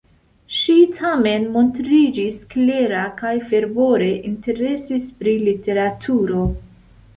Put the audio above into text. Ŝi tamen montriĝis klera kaj fervore interesis pri literaturo.